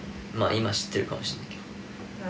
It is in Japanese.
今知ってるかもしれないけど。